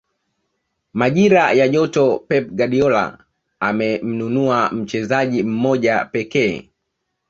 majira ya joto pep guardiola amemnunua mchezaji mmoja pekee